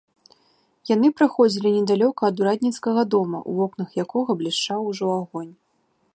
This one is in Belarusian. Яны праходзілі недалёка ад урадніцкага дома, у вокнах якога блішчаў ужо агонь.